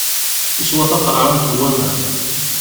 Yeswa taqeṛɛunt n waman.